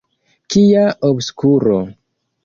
Kia obskuro!